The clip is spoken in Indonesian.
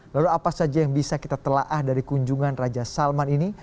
lalu apa saja yang bisa kita telah dari kunjungan raja salman ini